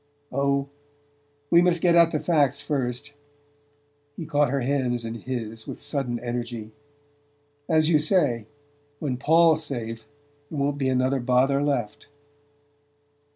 "Oh, we must get at the facts first." He caught her hands in his with sudden energy. "As you say, when Paul's safe there won't be another bother left!"